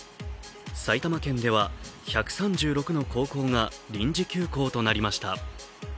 埼玉県では１３６の高校が臨時休校となりました。